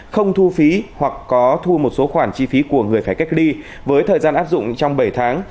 không thu phí hoặc có thu một số khoản chi phí của người phải cách ly với thời gian áp dụng trong bảy tháng